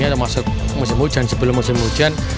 atau masuk musim hujan sebelum musim hujan